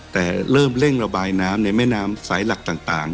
แต่เริ่มเร่งระบายน้ำในแม่น้ำสายหลักต่าง